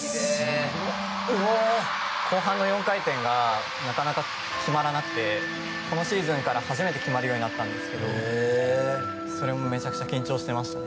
後半の４回転がなかなか決まらなくてこのシーズンから初めて決まるようになったんですけどそれもめちゃくちゃ緊張していました。